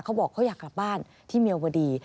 เขาบอกเขาอยากกลับบ้านที่เมียวดี